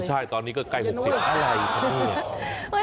ใช่ตอนนี้ก็ใกล้๖๐ปี